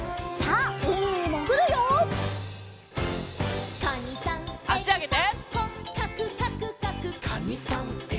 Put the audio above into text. あしあげて。